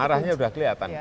arahnya sudah kelihatan